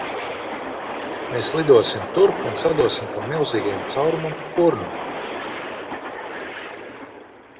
Mēs lidosim turp un sadosim tam milzīgajam caurumam pa purnu!